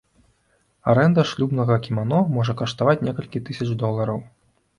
Арэнда шлюбнага кімано можа каштаваць некалькі тысяч долараў.